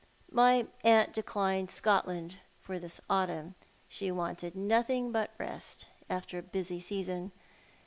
My aunt declined Scotland for this autumn. She wanted nothing but rest, after a busy season.